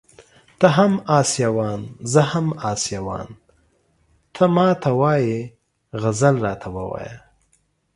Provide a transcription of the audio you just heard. ته هم اسيوان زه هم اسيوان ته ما ته وايې غزل راته ووايه